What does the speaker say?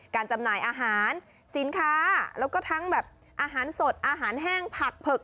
จำหน่ายอาหารสินค้าแล้วก็ทั้งแบบอาหารสดอาหารแห้งผักเผือก